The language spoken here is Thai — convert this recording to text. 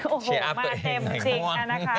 โอ้โหมาเต็มจริงนะคะ